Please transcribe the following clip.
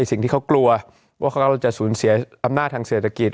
สิ่งที่เขากลัวว่าเราจะสูญเสียอำนาจทางเศรษฐกิจ